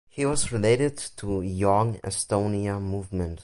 He was related to Young Estonia movement.